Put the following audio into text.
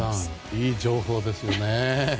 いい情報ですよね。